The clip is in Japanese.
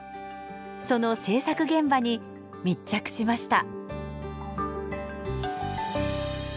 その制作現場に密着しました。